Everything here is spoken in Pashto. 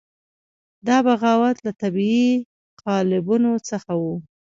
دا بغاوت له طبیعي قالبونو څخه وو.